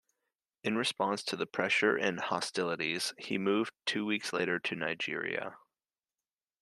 In response to the pressure and hostilities, he moved two weeks later to Nigeria.